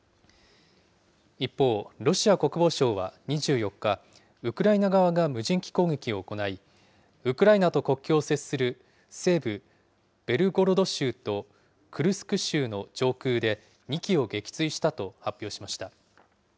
一方、ロシア国防省は２４日、ウクライナ側が無人機攻撃を行い、ウクライナと国境を接する西部ベルゴロド州とクルスク州の上空で２機を撃墜したと発表しました。